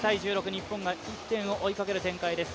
日本が１点を追いかける展開です。